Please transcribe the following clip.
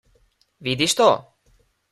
Vidiš to?